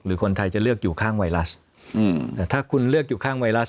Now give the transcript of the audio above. คนไทยจะเลือกอยู่ข้างไวรัสถ้าคุณเลือกอยู่ข้างไวรัส